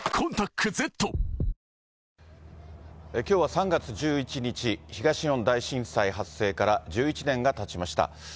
きょうは３月１１日、東日本大震災発生から１１年がたちました。